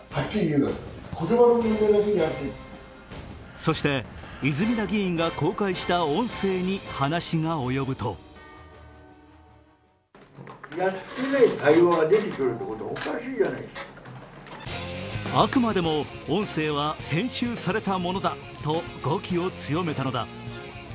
そして、泉田議員が公開した音声に話が及ぶとあくまでも音声は編集されたものだと語気を強めたのだ。